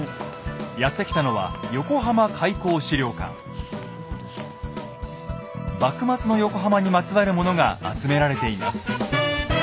やって来たのは幕末の横浜にまつわるものが集められています。